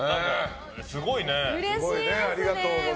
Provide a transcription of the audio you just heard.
すごいね。